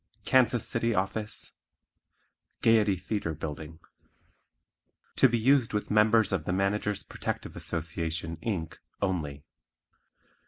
KANSAS CITY OFFICE Gayety Theatre Bldg. _To be used with members of the Managers Protective Association, Inc. only.